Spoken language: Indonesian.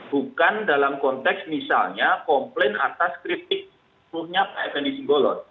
bukan dalam konteks misalnya komplain atas kritik suruhnya pak fni singgolot